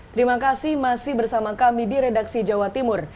terima kasih masih bersama kami di redaksi jawa timur